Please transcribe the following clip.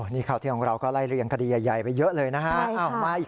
นี่ข่าวเที่ยงของเราก็ไล่เรียงคดีใหญ่ไปเยอะเลยนะฮะ